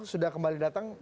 sudah kembali datang